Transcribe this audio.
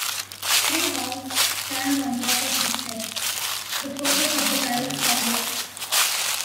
Three halls stand on top of this terrace, the focus of the palace complex.